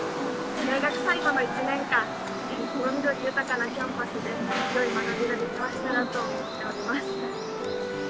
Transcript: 大学最後の１年間、この緑豊かなキャンパスで、よい学びができましたらと思っております。